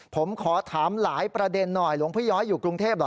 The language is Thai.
ผมขอถามหลายประเด็นหน่อยหลวงพี่ย้อยอยู่กรุงเทพเหรอ